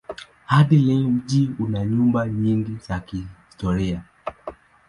Hadi leo mji una nyumba nyingi za kihistoria.